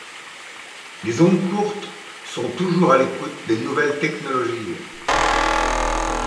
Les ondes courtes sont toujours à l'écoute des nouvelles technologiques.